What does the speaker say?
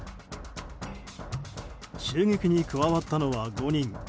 襲撃に加わったのは５人。